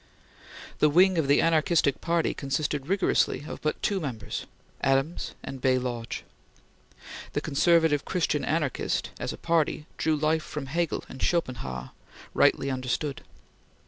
This wing of the anarchistic party consisted rigorously of but two members, Adams and Bay Lodge. The conservative Christian anarchist, as a party, drew life from Hegel and Schopenhauer rightly understood.